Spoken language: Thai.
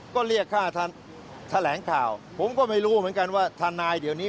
ก็เรียกค่าแถลงข่าวผมก็ไม่รู้เหมือนกันว่าทนายเดี๋ยวนี้